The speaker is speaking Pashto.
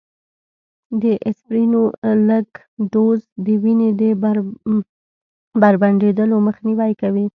د اسپرينو لږ ډوز، د وینې د پرنډېدلو مخنیوی کوي